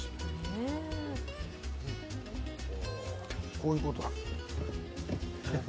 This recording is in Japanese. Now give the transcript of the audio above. こういうことか？